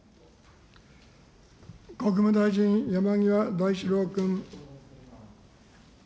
国務大臣、山際大志郎君。